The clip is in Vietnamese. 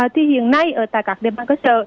thì hiện nay tại các địa bàn cơ sở